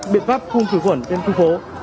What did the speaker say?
biện pháp khung chứa khuẩn trên khu phố